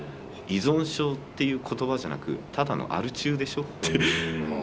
依存症っていう言葉じゃなくただのアル中でしょって。